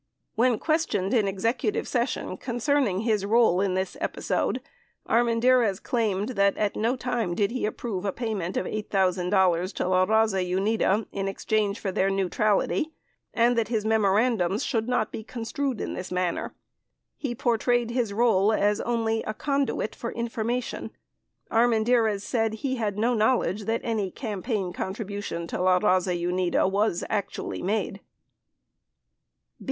When questioned in executive session concerning his role in this episode, Armendariz claimed that at no time did he approve payment of $8,000 to La Raza Unida in exchange for their neutrality and that his memorandums should not be construed in this manner. He portrayed his role as only a conduit for information. Armendariz said he had no knowledge that any campaign contribution to La Raza Unida was actually made.